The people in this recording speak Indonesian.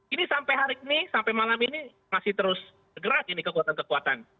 ini sampai hari ini sampai malam ini masih terus bergerak ini kekuatan kekuatan